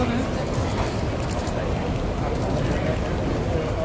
สวัสดีครับ